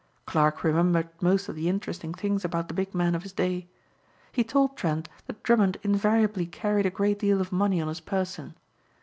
Clarke remembered most of the interesting things about the big men of his day. He told Trent that Drummond invariably carried a great deal of money on his person.